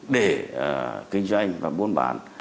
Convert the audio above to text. để kinh doanh và bôn bán